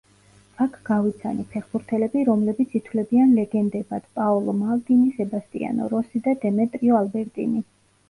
აქ გავიცანი ფეხბურთელები, რომლებიც ითვლებიან ლეგენდებად: პაოლო მალდინი, სებასტიანო როსი და დემეტრიო ალბერტინი.